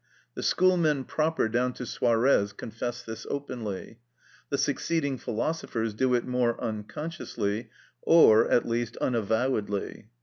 The Schoolmen proper, down to Suarez, confess this openly; the succeeding philosophers do it more unconsciously, or at least unavowedly.